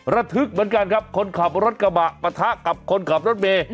ระทึกเหมือนกันครับคนขับรถกระบะปะทะกับคนขับรถเมย์